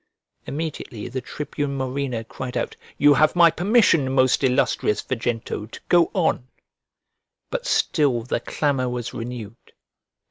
" Immediately the tribune Murena cried out, "You have my permission, most illustrious Vejento, to go on." But still the clamour was renewed.